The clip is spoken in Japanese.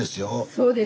そうです。